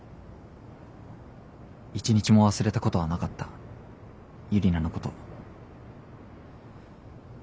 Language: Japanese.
一日も忘れたことはなかったユリナのこと。